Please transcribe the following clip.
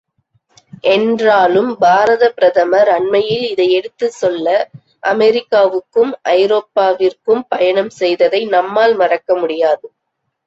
என்றாலும் பாரதப் பிரதமர் அண்மையில் இதை எடுத்துச் சொல்ல அமெரிக்காவுக்கும் ஐரோப்பாவிற்கும் பயணம் செய்ததை நம்மால் மறக்க முடியாது.